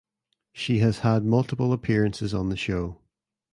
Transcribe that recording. She has had multiple appearances on the show.